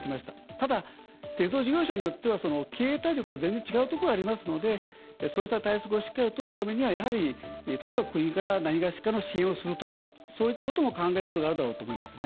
ただ、鉄道事業者によっては経営体力が全然違うところがありますのでそうした対策をしっかりとるためにはやはり、例えば国から何がしかの支援をするとかそういったことも考える必要があるだろうと思いますね。